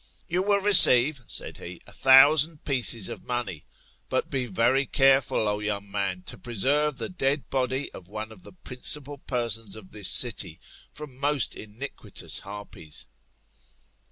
You will receive, said he, a thousand pieces of money. But be very careful, O young man, to preserve the dead body of one of the principal persons of this city from most iniquitous harpies.